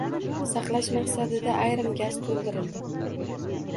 Saqlash maqsadida ayrim gaz toʻldirildi.